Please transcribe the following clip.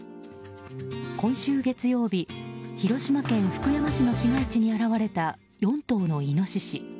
今週月曜日、広島県福山市の市街地に現れた４頭のイノシシ。